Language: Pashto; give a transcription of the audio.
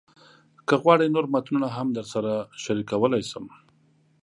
که غواړئ، نور متنونه هم درسره شریکولی شم.